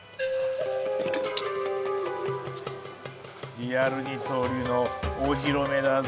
リアル二刀流のお披露目だぜ。